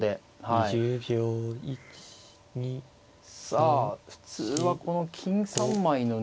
さあ普通はこの金３枚のね